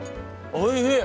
おいしい！